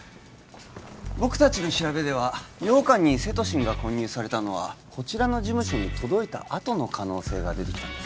僕達の調べでは羊羹にセトシンが混入されたのはこちらの事務所に届いたあとの可能性が出てきたんです